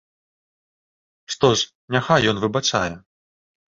Што ж, няхай ён выбачае.